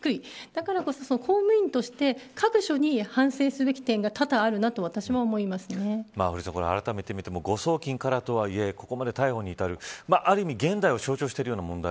だからこそ公務員として各所に反省すべき点があらためて見ても誤送金からとはいえここまで逮捕に至る、ある意味現代を象徴している問題